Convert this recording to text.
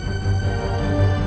aku mau kemana